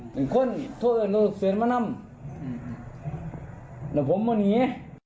เป็นคนโทษเอิญโรคเซียนมะน่ำแต่ผมว่าหนี